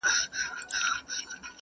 o څوټپې نمکیني څو غزل خواږه خواږه لرم,